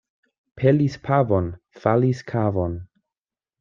Pelis pavon, falis kavon.